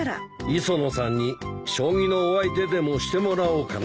磯野さんに将棋のお相手でもしてもらおうかな。